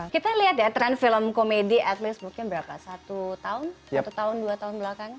kita lihat ya tren film komedi at least mungkin berapa satu tahun satu tahun dua tahun belakangan